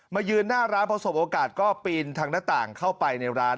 ยืนหน้าร้านพอสมโอกาสก็ปีนทางหน้าต่างเข้าไปในร้าน